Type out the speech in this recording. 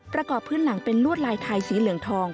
ประกอบพื้นหลังเป็นลวดลายไทยสีเหลืองทอง